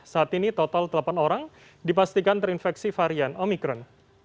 saat ini total delapan orang dipastikan terinfeksi varian omikron